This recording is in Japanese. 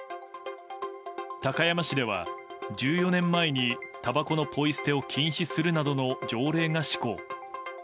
高山市では１４年前にたばこのポイ捨てを禁止するなどの条例が施行。